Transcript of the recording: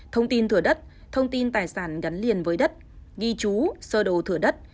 thông tin thửa đất thông tin tài sản gắn liền với đất ghi chú sơ đồ thửa đất